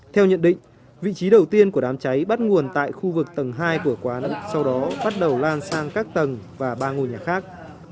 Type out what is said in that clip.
theo nhận định vị trí đầu tiên của đám cháy bắt nguồn tại khu vực tầng hai của quán sau đó bắt đầu lan sang các tầng và ba ngôi nhà khác